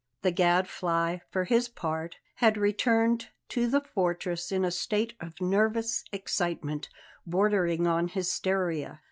The Gadfly, for his part, had returned to the fortress in a state of nervous excitement bordering on hysteria.